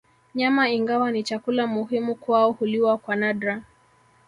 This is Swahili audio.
Nyama ingawa ni chakula muhimu kwao huliwa kwa nadra